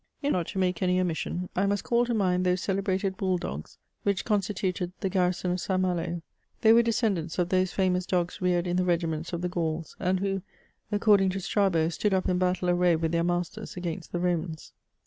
In fine, not to make any omission, I must call to mind those celebrated bull dogs which constituted the garrison of St. Malo : they were descendants of those famous dogs reared in the regiments of the Gauls, and who, according to Strabo, stood up in battle array with their masters against the Romans.